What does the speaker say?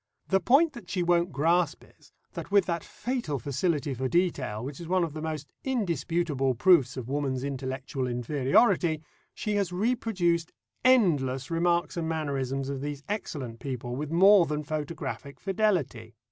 The point that she won't grasp is, that with that fatal facility for detail, which is one of the most indisputable proofs of woman's intellectual inferiority, she has reproduced endless remarks and mannerisms of these excellent people with more than photographic fidelity.